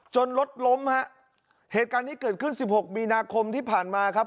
รถล้มฮะเหตุการณ์นี้เกิดขึ้นสิบหกมีนาคมที่ผ่านมาครับ